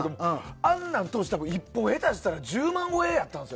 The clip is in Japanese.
あんなん当時、１本へたしたら１０万超えだったんですよ